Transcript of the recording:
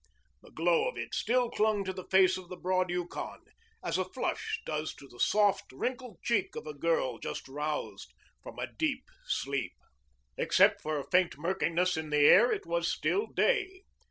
The glow of it still clung to the face of the broad Yukon, as a flush does to the soft, wrinkled cheek of a girl just roused from deep sleep. Except for a faint murkiness in the air it was still day.